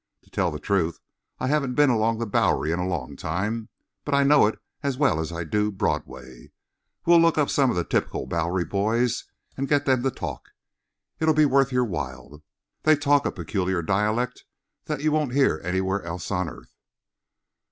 To tell the truth, I haven't been along the Bowery in a long time, but I know it as well as I do Broadway. We'll look up some of the typical Bowery boys and get them to talk. It'll be worth your while. They talk a peculiar dialect that you won't hear anywhere else on earth."